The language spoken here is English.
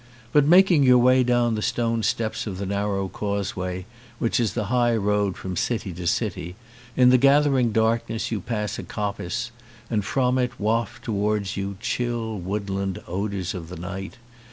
But making your way down the stone steps of the narrow causeway which is the high road from city to city, in the gathering darkness you pass a coppice, and from it waft towards you chill woodland odours of the night.